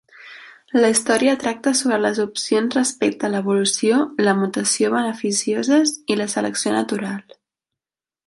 La història tracta sobre les opinions respecte a l'evolució, la mutació beneficioses i la selecció natural.